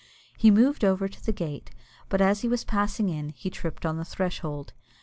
He moved over to the gate, but as he was passing in, he tripped on the threshold.